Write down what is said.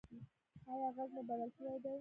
ایا غږ مو بدل شوی دی؟